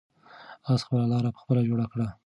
آس خپله لاره په خپله جوړه کړه.